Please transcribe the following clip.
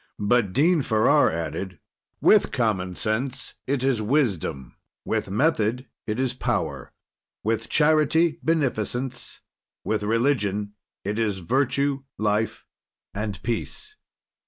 But, Dean Farrar added: "With common sense, it is wisdom; with method it is power; with charity beneficence; with religion it is virtue, life, and peace."